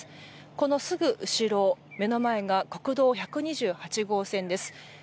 このすぐ後ろ、目の前が国道１２８号線です。